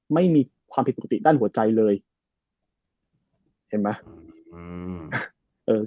ไม่มีความผิดปกติด้านหัวใจเลยเห็นไหมอืมเออ